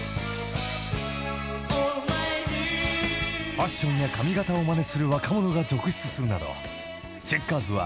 ［ファッションや髪形をまねする若者が続出するなどチェッカーズは］